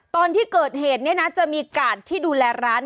ตอนที่เกิดเหตุเนี่ยนะจะมีกาดที่ดูแลร้าน